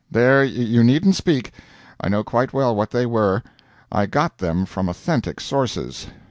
There you needn't speak; I know quite well what they were; I got them from authentic sources.